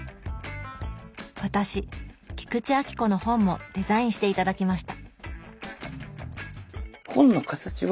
私菊池亜希子の本もデザインして頂きました！